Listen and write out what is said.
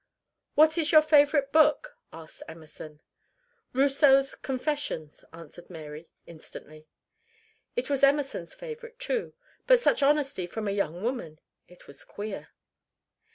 "What is your favorite book?" asked Emerson. "Rousseau's 'Confessions,'" answered Mary instantly. It was Emerson's favorite, too; but such honesty from a young woman! It was queer.